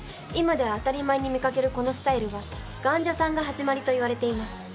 今では当たり前に見掛けるこのスタイルは頑者さんが始まりといわれています。